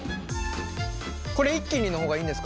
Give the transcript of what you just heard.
これ一気にの方がいいんですか？